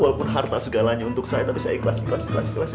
walaupun harta segalanya untuk saya tapi saya ikhlas kelas